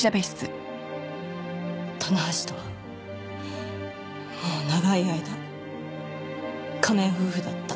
棚橋とはもう長い間仮面夫婦だった。